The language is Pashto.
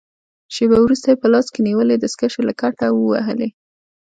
شېبه وروسته يې په لاس کې نیولې دستکشې له کټه ووهلې.